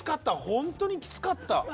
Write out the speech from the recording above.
本当にきつかった。